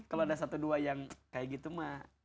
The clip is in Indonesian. kalau ada satu dua yang kayak gitu mah